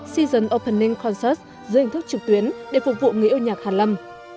season opening concert dưới hình thức trực tuyến để phục vụ nghị âu nhạc hàn lâm